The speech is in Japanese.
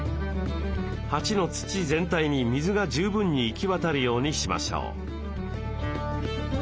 鉢の土全体に水が十分に行き渡るようにしましょう。